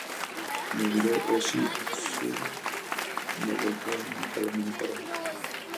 En el video a Ozzy Osbourne lo golpea una paloma en la cara.